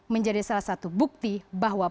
menjadi salah satu bukti bahwa